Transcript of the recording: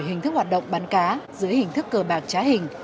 hình thức hoạt động bắn cá giữa hình thức cờ bạc trá hình